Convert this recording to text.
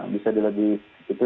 bisa dilagi itu